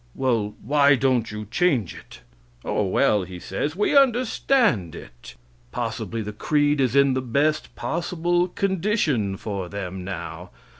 "Well, why don't you change it?" "Oh, well," he says, "we understand it." Possibly the creed is in the best possible condition for them now.